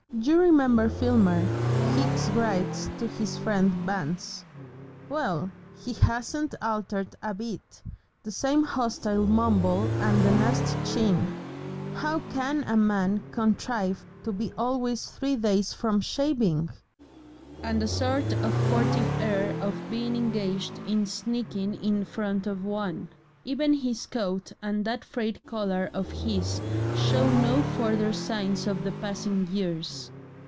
"You remember Filmer," Hicks writes to his friend Vance; "well, HE hasn't altered a bit, the same hostile mumble and the nasty chin how CAN a man contrive to be always three days from shaving? and a sort of furtive air of being engaged in sneaking in front of one; even his coat and that frayed collar of his show no further signs of the passing years.